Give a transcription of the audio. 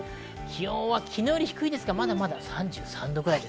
気温は昨日より低いですが、まだまだ３３度ぐらい。